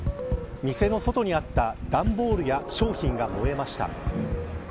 店の外にあった段ボールや商品が燃えました。